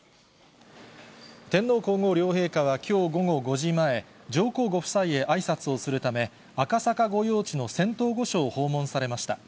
天皇皇后両陛下はきょう午後５時前、上皇ご夫妻へあいさつをするため、赤坂御用地の仙洞御所を訪問されました。